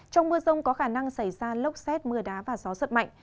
trong mưa rông có khả năng xảy ra lốc xét mưa đá và gió giật mạnh